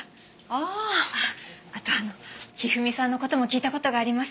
あと一二三さんの事も聞いた事があります。